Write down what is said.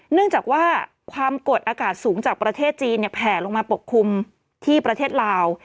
เนื่องจากว่าความกดอากาศสูงจากประเทศจีนแผ่ลงมาปกคลุมที่ประเทศลาว